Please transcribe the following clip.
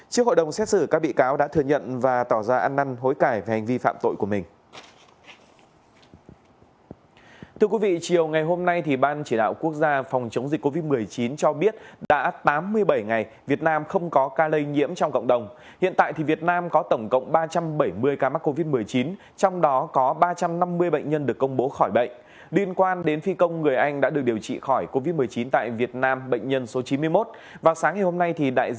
trước hội đồng xét xử các bị cáo đã thừa nhận và tỏ ra ăn năn hối cải về hành vi phạm tội của mình